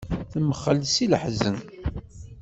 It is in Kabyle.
Temxell si leḥzen.